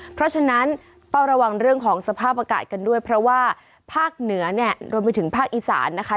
เพราะฉะนั้นเฝ้าระวังเรื่องของสภาพอากาศกันด้วยเพราะว่าภาคเหนือเนี่ยรวมไปถึงภาคอีสานนะคะ